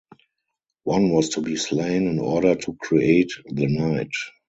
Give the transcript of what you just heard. One was to be slain in order to create the night.